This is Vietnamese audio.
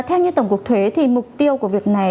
theo như tổng cục thuế thì mục tiêu của việc này